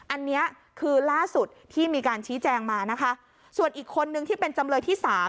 อันนี้คือล่าสุดที่มีการชี้แจงมานะคะส่วนอีกคนนึงที่เป็นจำเลยที่สาม